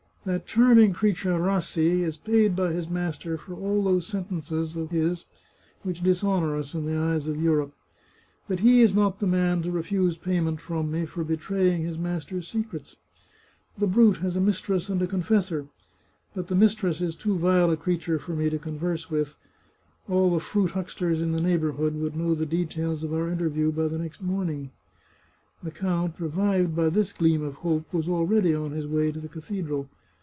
" That charming creature Rassi is paid by his master for all those sentences of his which dis honour us in the eyes of Europe. But he is not the man to refuse payment from me for betraying his master's secrets. The brute has a mistress and a confessor. But the mistress is too vile a creature for me to converse with; all the fruit hucksters in the neighbourhood would know the details of our interview by the next morning." The count, revived by this gleam of hope, was already on his way to the cathedral.